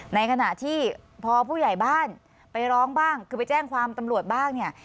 ในขณะที่พอผู้ใหญ่บ้านไปร้องบ้างคือไปแจ้งความตำรวจบ้างเนี่ย